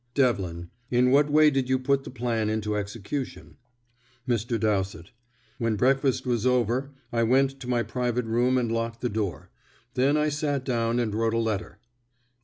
Devlin: "In what way did you put the plan into execution?" Mr. Dowsett: "When breakfast was over, I went to my private room and locked the door. Then I sat down and wrote a letter."